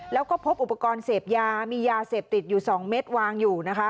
แล้วก็พบอุปกรณ์เสพยามียาเสพติดอยู่๒เม็ดวางอยู่นะคะ